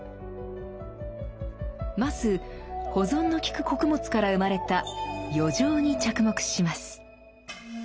まず保存の利く穀物から生まれた「余剰」に着目します。